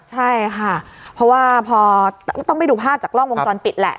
ใช่ค่ะเพราะว่าพอต้องไปดูภาพจากกล้องวงจรปิดแหละ